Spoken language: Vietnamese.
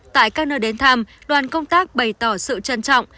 tại các nơi đến thăm đoàn công tác bày tỏ sự trân trọng